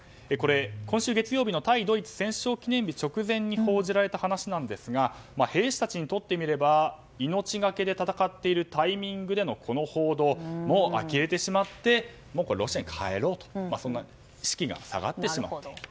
今週月曜日の対ドイツ戦勝記念日の直前に報じられた話なんですが兵士たちにとってみれば命がけで戦っているタイミングでのこの報道にあきれてしまってロシアに帰ろうと士気が下がってしまっていると。